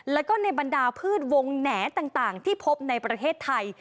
แล้วก็ในบรรดาพืชวงแหน่ต่างที่พบในประเทศไทย